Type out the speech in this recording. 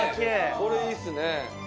これいいですね。